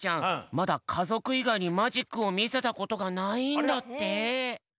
まだかぞくいがいにマジックをみせたことがないんだって。